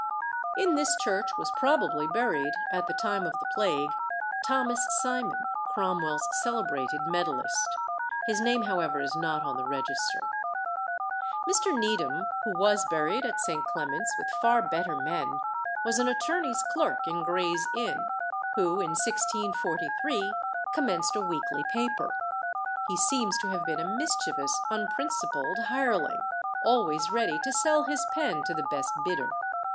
In this church was probably buried, at the time of the Plague, Thomas Simon, Cromwell's celebrated medallist. His name, however, is not on the register. Mr. Needham, who was buried at St. Clement's with far better men, was an attorney's clerk in Gray's Inn, who, in 1643, commenced a weekly paper. He seems to have been a mischievous, unprincipled hireling, always ready to sell his pen to the best bidder.